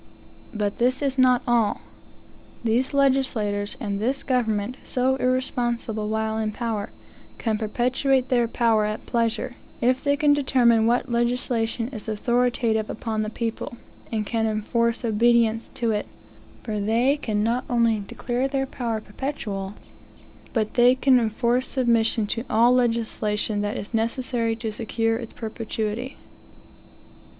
But this is not all. These legislators, and this government, so irresponsible while in power, can perpetuate their power at pleasure, if they can determine what legislation is authoritative upon the people, and can enforce obedience to it, for they can not only declare their power perpetual, but they can enforce submission to all legislation that is necessary to secure its perpetuity.